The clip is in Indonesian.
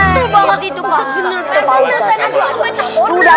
betul banget itu pak ustadz